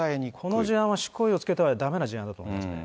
この事案は執行猶予を付けてはだめな事案だと思いますね。